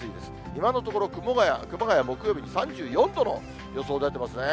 今のところ、熊谷、熊谷は木曜日、３４度の予想出てますね。